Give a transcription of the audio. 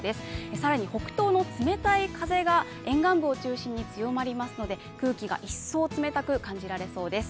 更に北東の冷たい風が沿岸部を中心に強まりますので空気が一層冷たく感じられそうです。